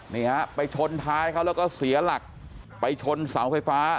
นี่ฮะไปชนท้ายเขาแล้วก็เสียหลักไปชนเสาไฟฟ้า